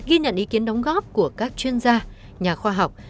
ghi nhận ý kiến đóng góp của các chuyên gia nhà khoa học